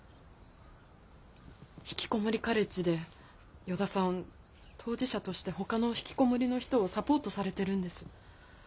ひきこもりカレッジで依田さん当事者としてほかのひきこもりの人をサポートされてるんです。